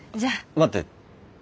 待って。